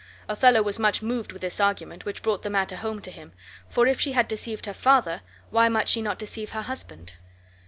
Othello was much moved with this argument, which brought the matter home to him, for if she had deceived her father why might she not deceive her husband?